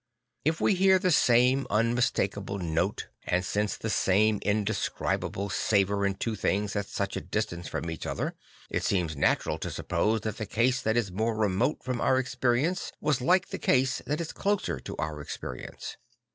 If we hear the same unmistakable note and sense the same The Mirror of Christ 139 indescribable savour in two things at such a distance from each other, it seems natural to suppose that the case that is more remote from our experience was like the case that is closer to our experience.